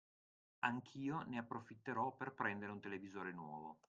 Anch'io ne approfitterò per prendere un televisore nuovo.